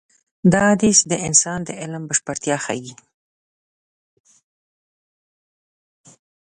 دا حديث د انسان د علم بشپړتيا ښيي.